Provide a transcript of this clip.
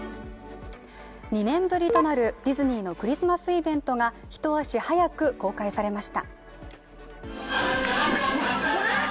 ２年ぶりとなるディズニーのクリスマスイベントが一足早く公開されました。